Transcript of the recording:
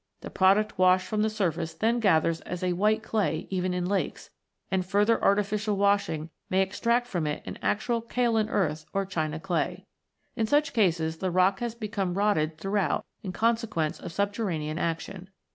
The product washed from the surface then gathers as a white clay even in lakes, and further artificial washing may extract from it an actual kaolin earth or china clay. In such cases, the rock has become rotted throughout in consequence of subterranean action.